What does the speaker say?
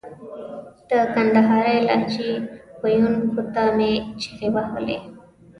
د کندهارۍ لهجې ویونکو ته مې چیغې وهلې.